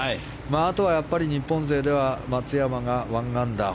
あとはやっぱり日本勢では松山が１アンダー。